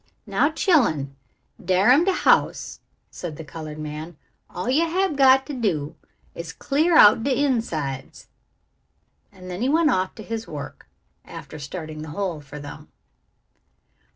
"Now, chillun, dar am de house," said the colored man. "All yo' hab got to do is to clear out de insides." And then he went off to his work, after starting the hole for them.